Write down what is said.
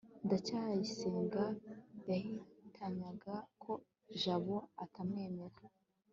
ndacyayisenga yatinyaga ko jabo atamwemera